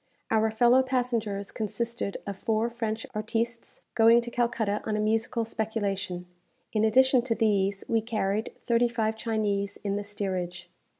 Our fellow passengers consisted of four French artistes, going to Calcutta on a musical speculation. In addition to these, we carried thirty five Chinese in the steerage.